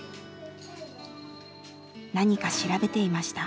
何か調べていました。